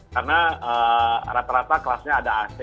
karena rata rata kelasnya ada ac